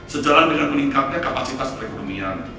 sejalan dengan meningkatnya kapasitas perekonomian